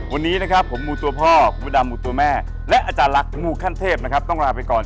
วันนี้นะครับผมมูตัวพ่อคุณพระดำหมู่ตัวแม่และอาจารย์ลักษ์มูขั้นเทพนะครับต้องลาไปก่อน